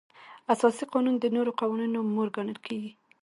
اساسي قانون د نورو قوانینو مور ګڼل کیږي.